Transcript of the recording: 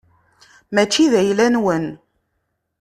Mačči d ayla-nwen.